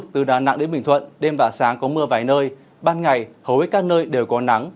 từ đà nẵng đến bình thuận đêm và sáng có mưa vài nơi ban ngày hầu hết các nơi đều có nắng